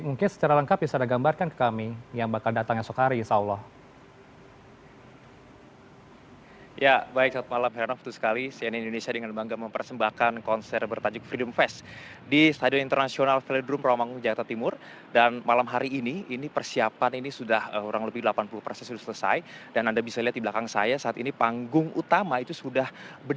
mungkin secara lengkap bisa digambarkan ke kami yang bakal datang esok hari insya allah